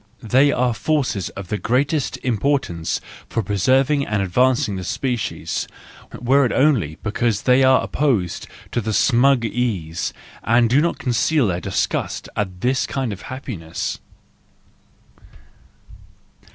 They are forces of the greatest importance for preserving and advancing the species, were it only because they are opposed to smug ease, and do not conceal their disgust at this kind of happiness.